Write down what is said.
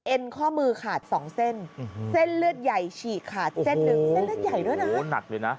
ข้อมือขาดสองเส้นเส้นเลือดใหญ่ฉีกขาดเส้นหนึ่งเส้นเลือดใหญ่ด้วยนะโอ้หนักเลยนะ